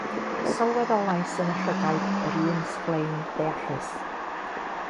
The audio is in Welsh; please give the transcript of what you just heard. Sylweddolais yn y llygaid yr un sglein deallus.